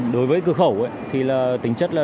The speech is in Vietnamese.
đối với cửa khẩu thì tính chất là